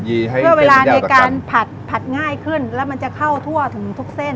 ยีให้เส้นมันยาวจากกันเพื่อว่าเวลาในการผัดผัดง่ายขึ้นแล้วมันจะเข้าทั่วถึงทุกเส้น